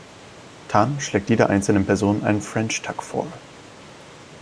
Tan schlägt jeder einzelnen Person einen French Tuck vor.